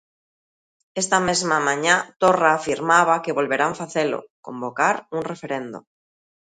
Esta mesma mañá Torra afirmaba que volverán facelo, convocar un referendo.